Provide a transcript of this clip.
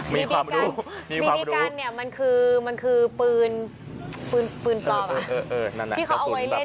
บีบีกันเนี่ยมันคือปืนปลอบที่เขาเอาไว้เล่นเป็นแบบปืนบีบีกัน